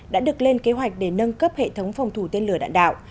đã được lên kế hoạch để nâng cấp hệ thống phòng thủ tên lửa đạn đạo